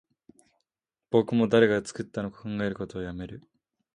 僕も誰が作ったのか考えることをやめる